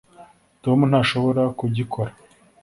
tom ntashobora kugikora.